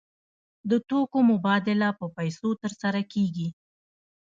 د توکو مبادله په پیسو ترسره کیږي.